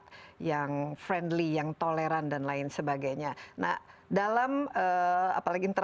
pemerintah juga ingin menarik investor penting lagi untuk menjaga indonesia itu sebagai negara yang islam tapi yang moderat